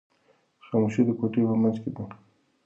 خاموشي د کوټې په منځ کې ده.